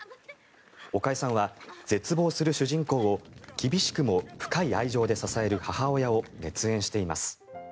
岡江さんは絶望する主人公を厳しくも深い愛情で支える母親を熱演しています。